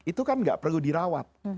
itu kan gak perlu dirawat